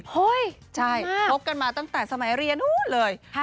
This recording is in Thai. เฮ่ยมากค่ะใช่คบกันมาตั้งแต่สมัยเรียนเลย